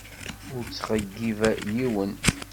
Ur ttxeyyibeɣ yiwen.